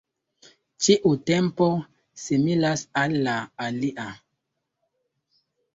Ĉiu templo similas al la alia.